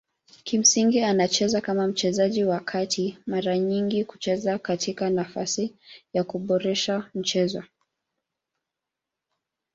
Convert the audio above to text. Kimsingi anacheza kama mchezaji wa kati mara nyingi kucheza katika nafasi kuboresha mchezo.